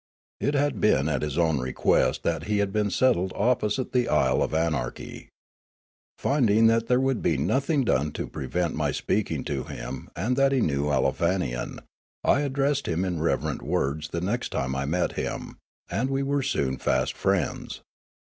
It had been at his own request that he had been settled opposite the Isle of Anarchy. Finding that there would be nothing done to prevent my speaking to him and that he knew Aleofanian, I addressed him in reverent words the next time I met him, and we were soon fast friends.